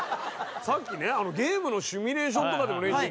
さっきゲームのシミュレーションとかでの練習。